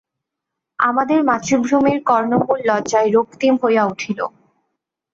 আমাদের মাতৃভূমির কর্ণমূল লজ্জায় রক্তিম হইয়া উঠিল।